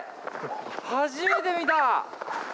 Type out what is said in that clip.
初めて見た。